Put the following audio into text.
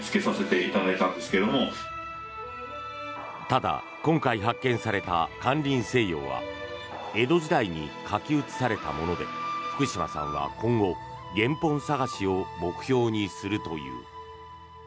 ただ、今回発見された「間林清陽」は江戸時代に書き写されたもので福島さんは今後原本探しを目標にするという。